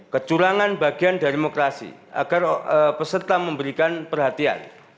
kecurangan bagian dari demokrasi agar peserta memberikan perhatian